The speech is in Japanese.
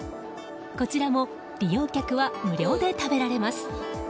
こちらも利用客は無料で食べられます。